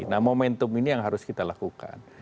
nah momentum ini yang harus kita lakukan